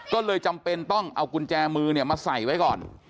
ก็เลยจำเป็นต้องเอากุญแจมือมาใส่ไว้ก่อน